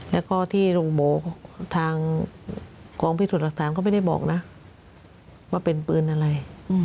แล้วก็ที่โรงพยาบาลทางกองพิสูจน์หลักฐานก็ไม่ได้บอกนะว่าเป็นปืนอะไร